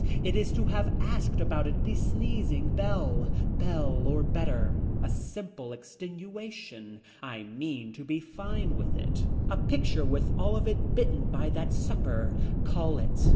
It is to have asked about it the sneezing bell. Bell or better. A simple extenuation. I mean to be fine with it. A picture with all of it bitten by that supper. Call it.